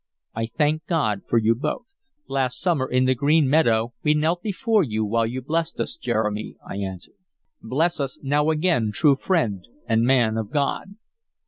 I thank God for you both." "Last summer, in the green meadow, we knelt before you while you blessed us, Jeremy," I answered. "Bless us now again, true friend and man of God."